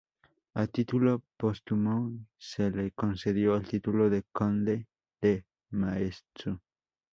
A título póstumo se le concedió el título de conde de Maeztu.